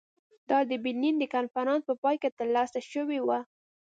دا د برلین د کنفرانس په پای کې ترلاسه شوې وه.